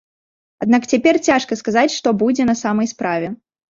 Аднак цяпер цяжка сказаць, што будзе на самай справе.